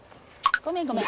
ごめんごめん。